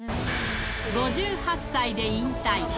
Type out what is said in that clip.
５８歳で引退。